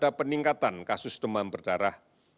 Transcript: kami mengingatkan pada peningkatan kasus demam berdarah